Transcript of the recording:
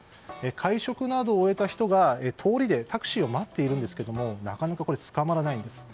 会食などを終えた人が通りでタクシーを待っているんですけどもなかなかつかまらないんです。